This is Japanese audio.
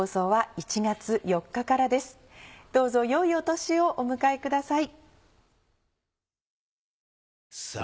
どうぞよいお年をお迎えください。